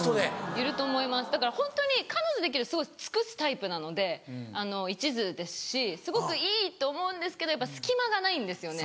いると思いますだからホントに彼女できると尽くすタイプなのでいちずですしすごくいいと思うんですけどやっぱ隙間がないんですよね